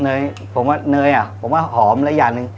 เนยผมว่าเนยอ่ะผมว่าหอมหลายอย่างหนึ่ง